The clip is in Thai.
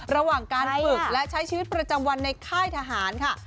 ระหว่างการฝึกและใช้ชีวิตประจำวันในค่ายทหารค่ะ